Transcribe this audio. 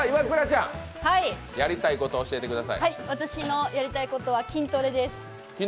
私のやりたいことは筋トレです。